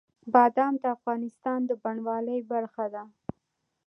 بادام د افغانستان د بڼوالۍ برخه ده.